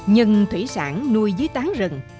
nhân thủy sản nuôi dưới tán rừng